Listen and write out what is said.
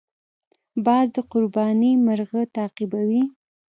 باز د قرباني مرغه تعقیبوي